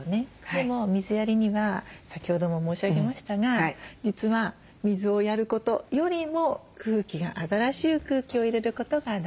でも水やりには先ほども申し上げましたが実は水をやることよりも空気が新しい空気を入れることが大事。